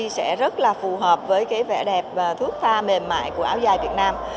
sẽ rất là phù hợp với vẻ đẹp và thuốc tha mềm mại của áo dài việt nam